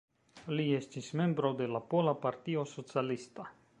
Li estis membro de la Pola Partio Socialista.